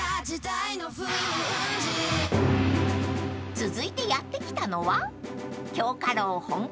［続いてやって来たのは］